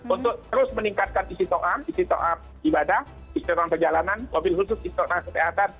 untuk terus meningkatkan istiqam istiqam ibadah istiqam perjalanan mobil khusus istiqam kesehatan